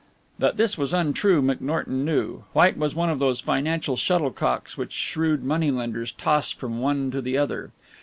That this was untrue McNorton knew. White was one of those financial shuttlecocks which shrewd moneylenders toss from one to the other.